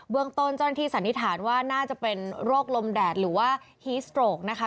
เบื้องต้นใจที่สันนิษฐานว่าน่าจะเป็นโรคลมแดดหรือว่า